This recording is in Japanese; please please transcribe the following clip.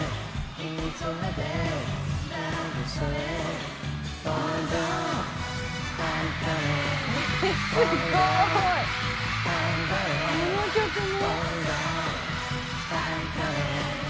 この曲も？